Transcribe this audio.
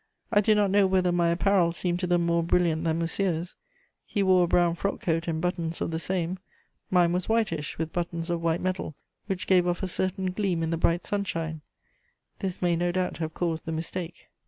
I do not know whether my apparel seemed to them more brilliant than Monsieur's: he wore a brown frock coat and buttons of the same; mine was whitish, with buttons of white metal which gave off a certain gleam in the bright sunshine: this may, no doubt, have caused the mistake.